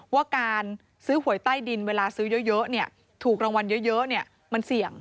ว่าการซื้อหวยใต้ดินเวลาซื้อเยอะถูกรางวัลเยอะมันเสี่ยง